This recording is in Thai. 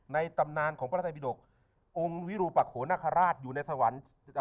ตำนานของพระราชบิดกองค์วิรุปักโขนคราชอยู่ในสวรรค์